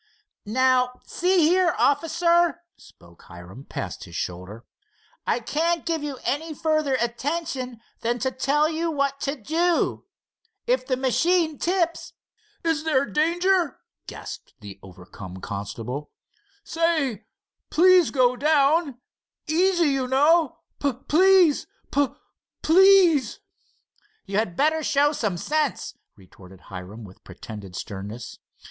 "Now, see here, officer," spoke Hiram, past his shoulder, "I can't give you any further attention than to tell you what to do. If the machine tips——" "Is there danger?" gasped the overcome constable. "Say, please go down! Easy, you know! P please p—please!" "You had better show some sense," retorted Hiram, with pretended sternness.